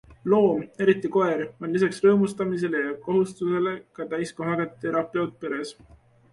Loom, eriti koer, on lisaks rõõmustamisele ja kohustustele ka täiskohaga terapeut peres.